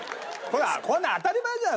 こんなん当たり前じゃん。